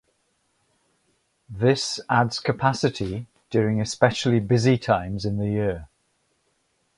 This adds capacity during especially busy times in the year.